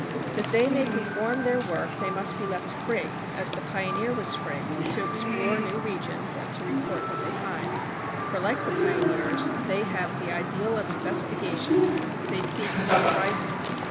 That they may perform their work they must be left free, as the pioneer was free, to explore new regions and to report what they find; for like the pioneers they have the ideal of investigation, they seek new horizons.